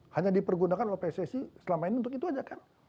hanya dipergunakan oleh pssi selama ini untuk itu aja kan